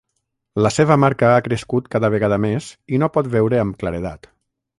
La seva marca ha crescut cada vegada més i no pot veure amb claredat.